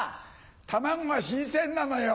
卵が新鮮なのよ。